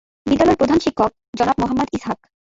বিদ্যালয়ের প্রধান শিক্ষক জনাব মোহাম্মদ ইসহাক।